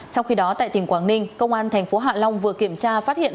trong khi đó tại tỉnh quảng ninh công an tp hạ long vừa kiểm tra phát hiện